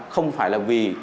không phải là vì